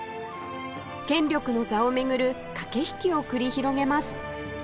権力の座を巡る駆け引きを繰り広げます